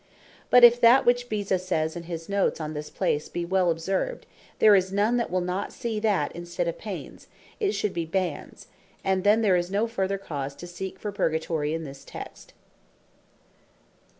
But if that which Beza sayes in his notes on this place be well observed, there is none that will not see, that in stead of Paynes, it should be Bands; and then there is no further cause to seek for Purgatory in this Text.